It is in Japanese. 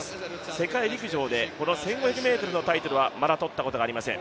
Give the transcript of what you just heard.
世界陸上でこの１５００ｍのタイトルはまだ取ったことがありません。